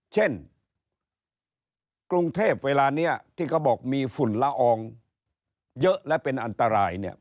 เช่นกรุงเทพเวลานี้ที่เขาบอกมีฝุ่นละอองเยอะและเป็นอันตรายเนี่ย